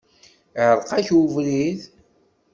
Iεreq-ak ubrid?